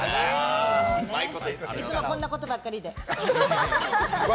いつもこんなことばっかりで。